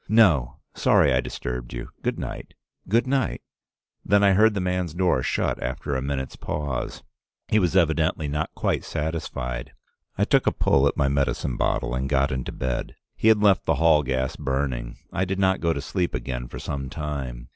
"'No; sorry I disturbed you. Good night.' "'Good night.' Then I heard the man's door shut after a minute's pause. He was evidently not quite satisfied. I took a pull at my medicine bottle, and got into bed. He had left the hall gas burning. I did not go to sleep again for some time.